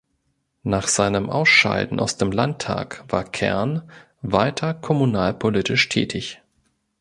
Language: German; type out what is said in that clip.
Nach seinem Ausscheiden aus dem Landtag war Kern weiter kommunalpolitisch tätig.